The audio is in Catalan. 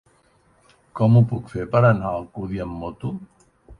Com ho puc fer per anar a Alcúdia amb moto?